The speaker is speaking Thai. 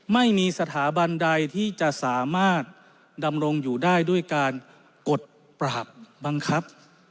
ไม่มีสถาบันใดที่จะสามารถดำรงอยู่ได้ด้วยการกดปราบบังคับ